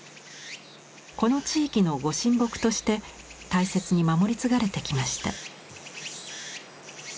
この地域のご神木として大切に守り継がれてきました。